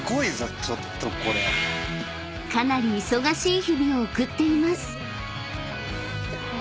［かなり忙しい日々を送っています］